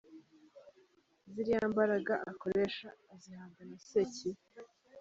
Ziriya mbaraga akoresha azihabwa na sekibi.